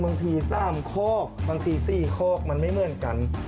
บางที๓โคกบางที๔โคกมันไม่เมื่อกัน